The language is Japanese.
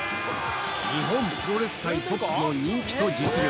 日本プロレス界トップの人気と実力。